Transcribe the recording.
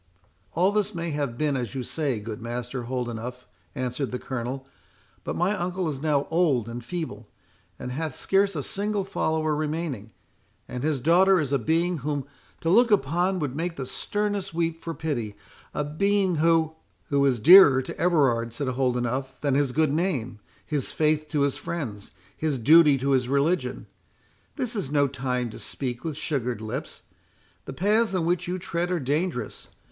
"All this may have been as you say, good Master Holdenough," answered the Colonel; "but my uncle is now old and feeble, and hath scarce a single follower remaining, and his daughter is a being whom to look upon would make the sternest weep for pity; a being who"— "Who is dearer to Everard," said Holdenough, "than his good name, his faith to his friends, his duty to his religion;—this is no time to speak with sugared lips. The paths in which you tread are dangerous.